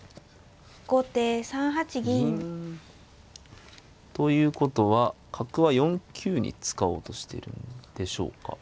後手３八銀。ということは角は４九に使おうとしてるんでしょうか。